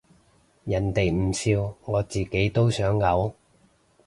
人哋唔笑我自己都想嘔